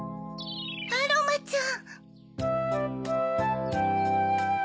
アロマちゃん！